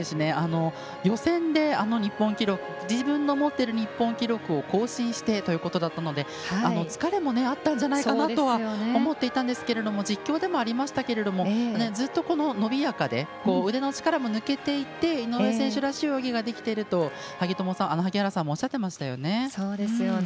予選で自分の持っている日本記録を更新してということだったので疲れもあったんじゃないかなとは思っていたんですけど実況でもありましたけれどもずっと伸びやかで腕の力も抜けていて井上選手らしい泳ぎができていると萩原さんもおっしゃっていましたね。